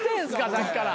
さっきから。